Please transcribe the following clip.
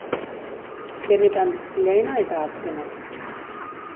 Benetan, lehena eta azkena.